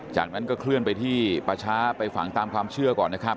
จากนั้นก็เคลื่อนไปที่ป่าช้าไปฝังตามความเชื่อก่อนนะครับ